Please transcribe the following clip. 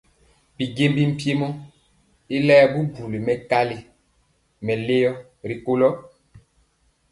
Bijiémbi mpiemɔ y laɛɛ bubuli mɛkali mɛlɔ ri kolo.